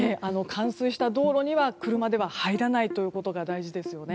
冠水した道路には車では入らないことが大事です。